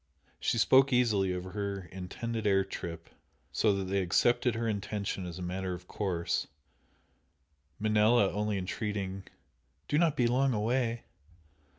She spoke easily of her intended air trip, so that they accepted her intention as a matter of course, Manella only entreating "Do not be long away!"